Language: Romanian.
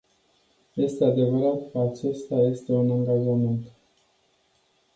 Este adevărat că acesta este un angajament.